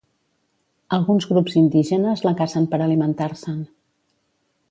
Alguns grups indígenes la cacen per alimentar-se'n.